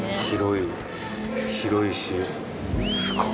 広い広いし。